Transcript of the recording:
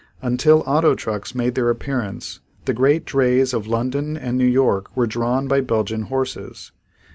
Until auto trucks made their appearance the great drays of London and New York were drawn by Belgian horses.